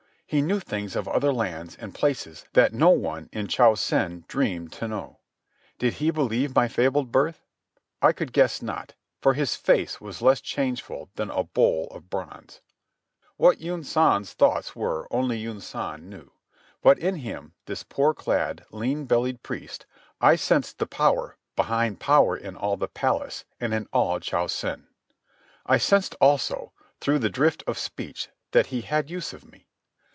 He knew things of other lands and places that no one in Cho Sen dreamed to know. Did he believe my fabled birth? I could not guess, for his face was less changeful than a bowl of bronze. What Yunsan's thoughts were only Yunsan knew. But in him, this poor clad, lean bellied priest, I sensed the power behind power in all the palace and in all Cho Sen. I sensed also, through the drift of speech, that he had use of me.